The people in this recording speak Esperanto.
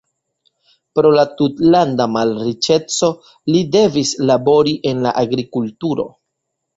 Pro la tutlanda malriĉeco li devis labori en la agrikulturo.